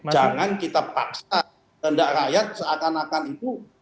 jangan kita paksa kehendak rakyat seakan akan itu